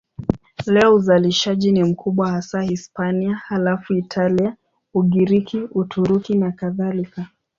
Leo uzalishaji ni mkubwa hasa Hispania, halafu Italia, Ugiriki, Uturuki nakadhalika.